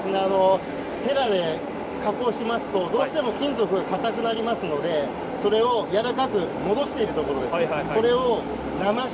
へらで加工しますとどうしても金属はかたくなりますのでそれをやわらかく戻しているところです。